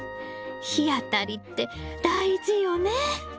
日当たりって大事よね！